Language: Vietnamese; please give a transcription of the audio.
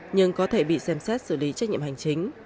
nhưng có thể bị xem xét xử lý trách nhiệm hành chính